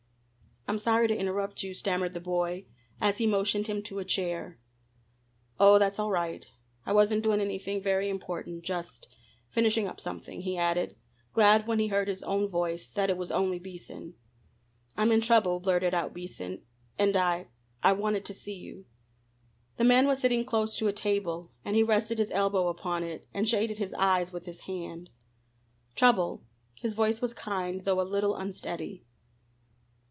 "I'm sorry to interrupt you," stammered the boy, as he motioned him to a chair. "Oh that's all right; I wasn't doing anything, very important. Just finishing up something," he added, glad, when he heard his own voice, that it was only Beason. "I'm in trouble," blurted out Beason, "and I I wanted to see you." The man was sitting close to a table, and he rested his elbow upon it, and shaded his eyes with his hand. "Trouble?" his voice was kind, though a little unsteady.